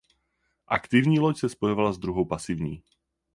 Aktivní loď se spojovala s druhou pasivní.